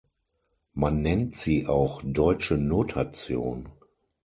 Man nennt sie auch „deutsche Notation“.